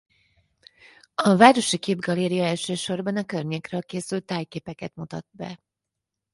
A városi képgaléria elsősorban a környékről készült tájképeket mutat be.